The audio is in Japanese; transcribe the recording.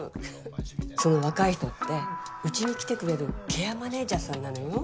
その若い人って家に来てくれるケアマネジャーさんなのよ。